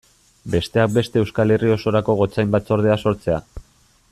Besteak beste Euskal Herri osorako gotzain batzordea sortzea.